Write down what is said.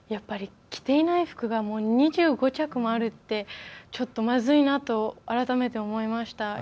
着ていない服が２５着もあるってちょっと、まずいなと改めて思いました。